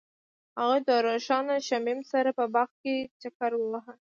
هغوی د روښانه شمیم سره په باغ کې چکر وواهه.